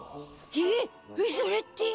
えっそれって。